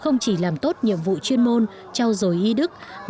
không chỉ làm tốt nhiệm vụ chuyên môn cho dối ý đối với các bác sĩ trẻ